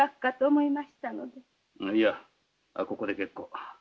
いやここで結構。